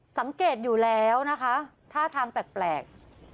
สังเกตอยู่แล้วนะคะท่าทางแปลก